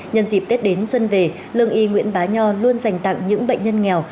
nhân dịp tết đến xuân về lương y nguyễn bá nho luôn dành tặng những bệnh nhân nghèo